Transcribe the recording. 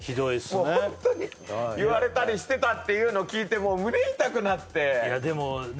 もうホントに言われたりしてたっていうの聞いてもう胸痛くなっていやでもね